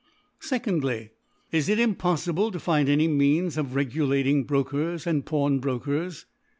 2dfy^ Is it impoITible to find any Means. of regulatir>g Brofcers and Pl^wnbrokers